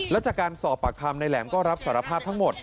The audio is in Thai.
แล้วจากการสอบปากคำนายแหลมก็รับสารภาพทั้งหมด